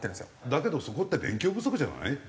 だけどそこって勉強不足じゃない？